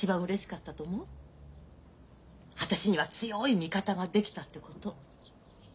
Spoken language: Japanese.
私には強い味方ができたってこと。